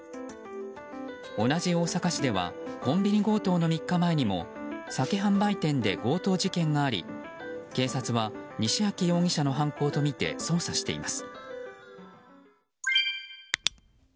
同じ大阪市ではコンビニ強盗の３日前にも酒販売店で強盗事件があり警察は西秋容疑者の犯行とみて捜査しています。